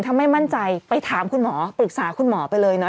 ถ้าไม่มั่นใจไปถามคุณหมอปรึกษาคุณหมอไปเลยนะ